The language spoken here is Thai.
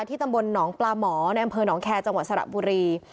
ตำบลหนองปลาหมอในอำเภอหนองแคร์จังหวัดสระบุรี